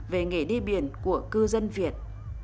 về nghề đi biển của cư dân việt